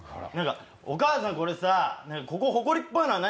「お母さんこれさここほこりっぽいのは何？